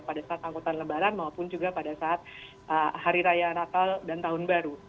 pada saat angkutan lebaran maupun juga pada saat hari raya natal dan tahun baru